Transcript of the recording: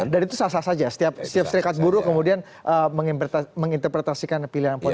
dan itu salah salah saja setiap serikat buruh kemudian menginterpretasikan pilihan politik